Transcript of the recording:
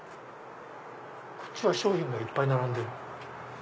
こっちは商品がいっぱい並んでる。